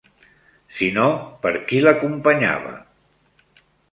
...sinó per qui l'acompanyava.